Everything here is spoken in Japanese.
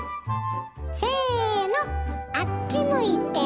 せのあっち向いてホイ！